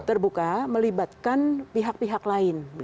terbuka melibatkan pihak pihak lain